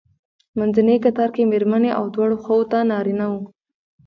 منځنی کتار کې مېرمنې او دواړو خواوو ته نارینه وو.